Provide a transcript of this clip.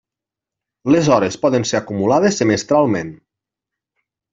Les hores poden ser acumulades semestralment.